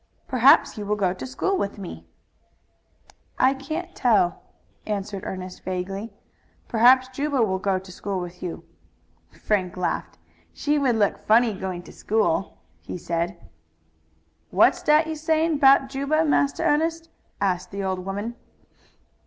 "Perhaps you will go to school with me?" "I can't tell," answered Ernest vaguely. "Perhaps Juba will go to school with you." Frank laughed. "She would look funny going to school," he said. "What's dat you sayin' 'bout Juba, Massa Ernest?" asked the old woman.